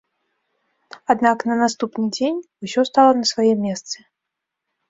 Аднак на наступны дзень усё стала на свае месцы.